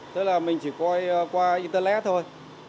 tức là mình chỉ coi qua internet thôi